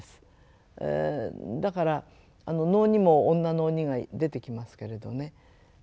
だから能にも女の鬼が出てきますけれどね。